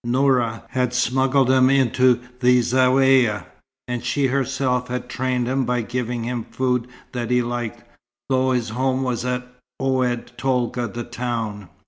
Noura had smuggled him into the Zaouïa, and she herself had trained him by giving him food that he liked, though his home was at Oued Tolga, the town.